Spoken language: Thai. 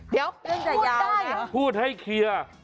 เดี๋ยวพูดได้เหรอพูดให้เคลียร์